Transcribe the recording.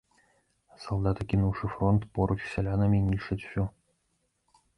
Салдаты, кінуўшы фронт, поруч з сялянамі нішчаць усё.